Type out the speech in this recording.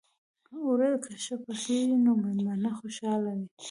اوړه که ښه پخېږي، نو میلمانه خوشحاله وي